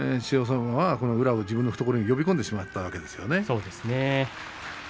馬は宇良を自分の懐に呼び込んでしまったわけですよね。